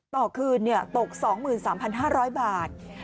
ต่อคืนตก๒๓๕๐๐บาท